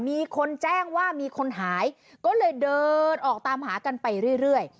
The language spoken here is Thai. มีคนแจ้งว่ามีคนหายก็เลยเดินออกตามหากันไปเรื่อย